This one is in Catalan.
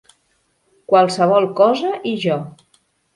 Qualsevol cosa i jo.